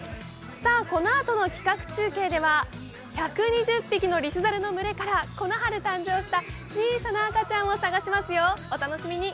このあとの企画中継では１２０匹のリスザルの群れからこの春誕生した小さな赤ちゃんを探しますよ、お楽しみに。